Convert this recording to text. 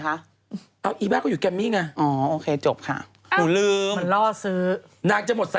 เขาบอกว่าเขาแต่งเดือนนั้นไม่ใช่โรคแศษ